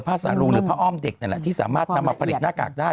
สารรูหรือผ้าอ้อมเด็กนั่นแหละที่สามารถนำมาผลิตหน้ากากได้